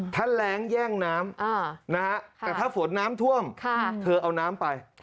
ถ้าแรงแย่งน้ำแต่ถ้าฝนน้ำท่วมเธอเอาน้ำไป